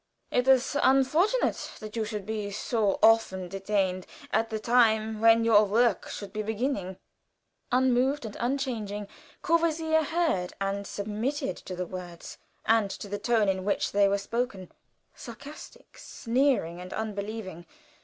"It is unfortunate that you should be so often detained at the time when your work should be beginning." Unmoved and unchanging, Courvoisier heard and submitted to the words, and to the tone in which they were spoken sarcastic, sneering, and unbelieving.